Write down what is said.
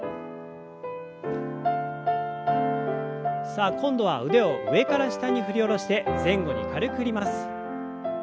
さあ今度は腕を上から下に振り下ろして前後に軽く振ります。